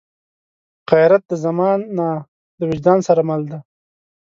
غیرت د زمان نه، د وجدان سره مل دی